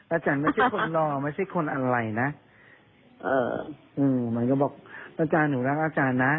อาจารย์ไม่ใช่คนรอไม่ใช่คนอะไรนะมันก็บอกอาจารย์หนูรักอาจารย์นะ